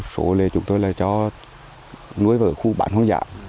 số thì chúng tôi là cho nuôi vào khu bản hoang dã